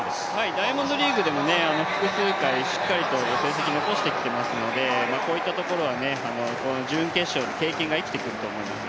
ダイヤモンドリーグでも複数回しっかりと成績を残してきていますのでこういったところは準決勝の経験が生きてくると思います。